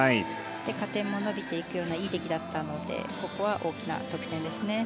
加点も伸びていくようないい出来だったのでここは大きな得点ですね。